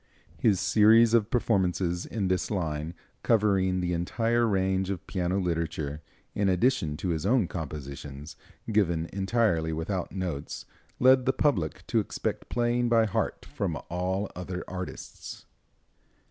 His series of performances in this line, covering the entire range of piano literature, in addition to his own compositions, given entirely without notes, led the public to expect playing by heart from all other artists.